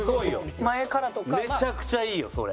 めちゃくちゃいいよそれ。